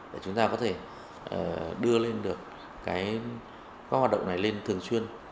để chúng ta có thể đưa lên được các hoạt động này lên thường xuyên